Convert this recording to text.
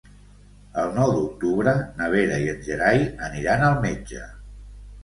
El nou d'octubre na Vera i en Gerai aniran al metge.